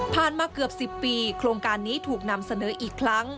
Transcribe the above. มาเกือบ๑๐ปีโครงการนี้ถูกนำเสนออีกครั้ง